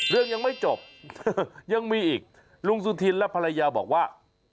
เรื่องยังไม่จบยังมีอีกลุงสุธินและภรรยาบอกว่า